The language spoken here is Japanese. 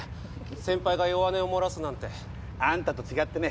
先輩が弱音を漏らすなんてあんたと違ってね